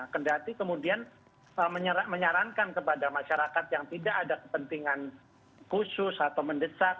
kendati kemudian menyarankan kepada masyarakat yang tidak ada kepentingan khusus atau mendesak